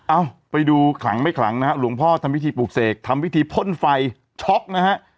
เอ้าไปดูขลังไม่ขลังนะฮะหลวงพ่อทำพิธีปลูกเสกทำพิธีพ่นไฟช็อกนะฮะ